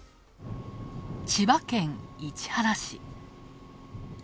千葉県市原市。